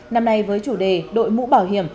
năm nay với chủ đề đội mũ bảo hiểm